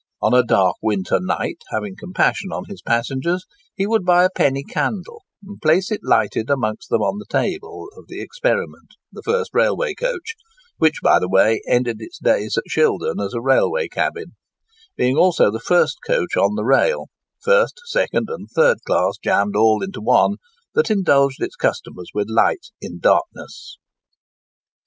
On a dark winter night, having compassion on his passengers, he would buy a penny candle, and place it lighted amongst them on the table of the 'Experiment'—the first railway coach (which, by the way, ended its days at Shildon as a railway cabin), being also the first coach on the rail (first, second, and third class jammed all into one) that indulged its customers with light in darkness."